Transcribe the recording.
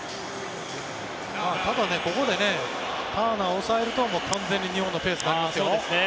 ただ、ここでターナーを抑えると完全に日本のペースになりますよ。